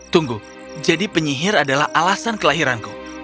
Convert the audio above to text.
tunggu jadi penyihir adalah alasan kelahiranku